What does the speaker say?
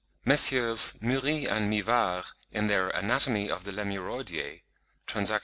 Messrs. Murie and Mivart in their 'Anatomy of the Lemuroidea' ('Transact.